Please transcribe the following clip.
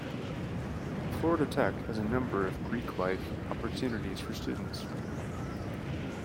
Florida Tech has a number of Greek life opportunities for students.